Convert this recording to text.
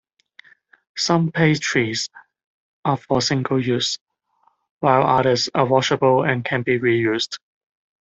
Some pasties are for single-use, while others are washable and can be reused.